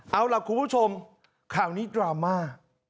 เอาล่ะคุณผู้ชมข่าวนี้ดราม่า